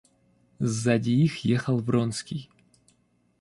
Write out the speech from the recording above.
Сзади их ехал Вронский.